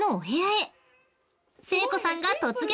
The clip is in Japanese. ［誠子さんが突撃］